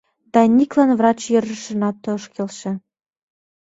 Даниклан врач йӧршынат ыш келше.